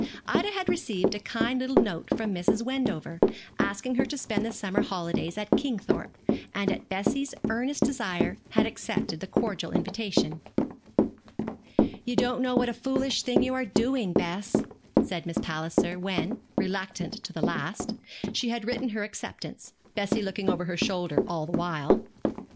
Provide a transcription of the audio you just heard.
Ida had received a kind little note from Mrs. Wendover, asking her to spend her summer holidays at Kingthorpe, and at Bessie's earnest desire had accepted the cordial invitation. 'You don't know what a foolish thing you are doing, Bess,' said Miss Palliser, when reluctant to the last she had written her acceptance, Bessie looking over her shoulder all the while.